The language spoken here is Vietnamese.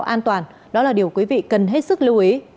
an toàn đó là điều quý vị cần hết sức lưu ý